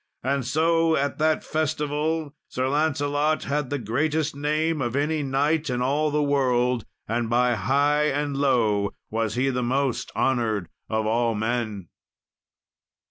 And so, at that festival, Sir Lancelot had the greatest name of any knight in all the world, and by high and low was he the most honoured of all men.